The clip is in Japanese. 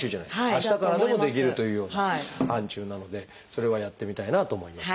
明日からでもできるというような範疇なのでそれはやってみたいなと思いますが。